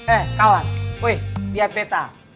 eh kawan wih lihat betta